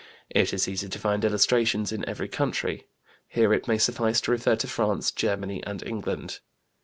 It is easy to find illustrations in every country. Here it may suffice to refer to France, Germany, and England.